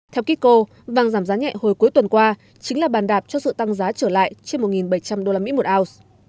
theo kiko vàng giảm giá nhẹ hồi cuối tuần qua chính là bàn đạp cho sự tăng giá trở lại trên một bảy trăm linh usd một ounce